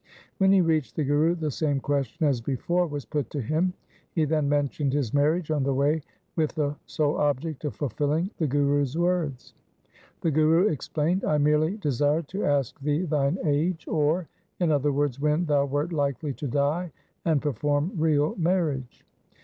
When he reached the Guru the same question as before was put to him. He then mentioned his marriage on the way with the sole object of fulfilling the Guru's words. The Guru explained, ' I merely desired to ask thee thine age or, in other words, when thou wert likely to die and perform real marriage.